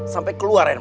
sampai keluaran mataku